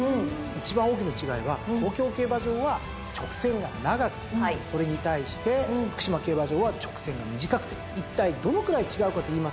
一番大きな違いは東京競馬場は直線が長くてそれに対して福島競馬場は直線が短くていったいどのくらい違うかといいますと。